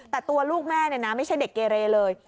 แต่ตัวลูกแม่ไม่ใช่เด็กเกเรเลย